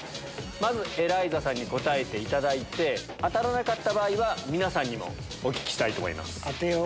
まずエライザさんに答えていただいて当たらなかった場合は皆さんにもお聞きしたいと思います。